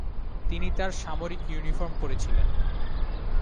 তিনি তার সামরিক ইউনিফর্ম পরেছিলেন।